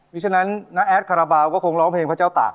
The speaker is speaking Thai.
มีฉะนั้นน้าแอดคาราบาลก็คงร้องเพลงพระเจ้าตาก